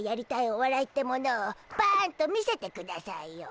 おわらいってものをパンと見せてくだしゃいよ。